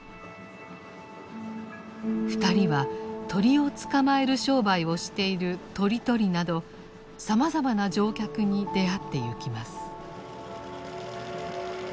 ２人は鳥を捕まえる商売をしている「鳥捕り」などさまざまな乗客に出会ってゆきます。